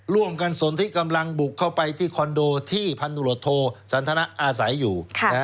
ร่วมกันส่วนที่กำลังบุกเข้าไปที่คอนโดที่ภัณฑทันอาศัยอยู่